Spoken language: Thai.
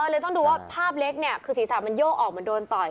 เลยต้องดูว่าภาพเล็กเนี่ยคือศีรษะมันโยกออกเหมือนโดนต่อย